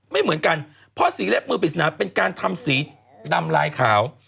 ไม่เหมือนกันเพราะสีเล็บมือปริศนาเป็นการทำสีดำลายขาว